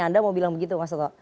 anda mau bilang begitu mas toto